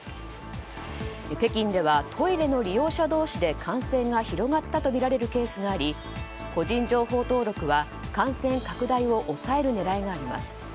北京ではトイレの利用者同士で感染が広がったとみられるケースがあり個人情報登録は感染拡大を抑える狙いがあります。